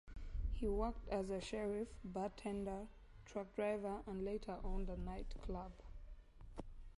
He worked as a sheriff, bartender, truck driver, and later owned a night club.